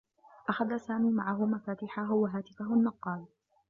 أخذ سامي معه مفاتيحه و هاتفه النّقاّل.